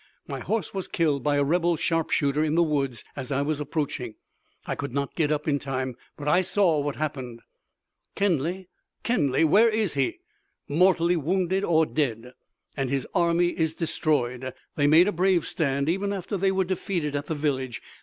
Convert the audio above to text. My horse was killed by a rebel sharpshooter in the woods as I was approaching! I could not get up in time, but I saw what happened!" "Kenly! Kenly, where is he?" "Mortally wounded or dead, and his army is destroyed! They made a brave stand, even after they were defeated at the village.